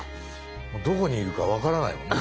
もうどこにいるか分からないもんね